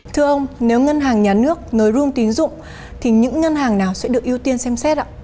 thưa ông nếu ngân hàng nhà nước nới room tín dụng thì những ngân hàng nào sẽ được ưu tiên xem xét ạ